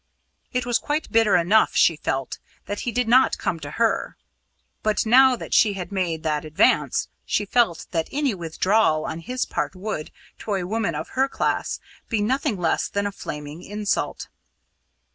It was quite bitter enough, she felt, that he did not come to her, but now that she had made that advance, she felt that any withdrawal on his part would, to a woman of her class, be nothing less than a flaming insult.